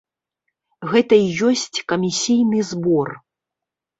Гэта і ёсць камісійны збор.